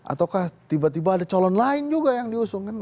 ataukah tiba tiba ada calon lain juga yang diusung